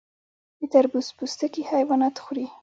د تربوز پوستکي حیوانات خوري.